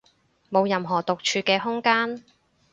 冇任何獨處嘅空間